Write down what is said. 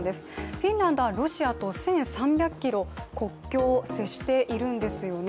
フィンランドはロシアと１３００ｋｍ国境を接しているんですよね。